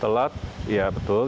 telat ya betul